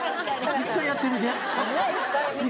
一回やってみて。